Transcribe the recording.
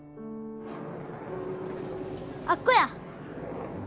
あっこや。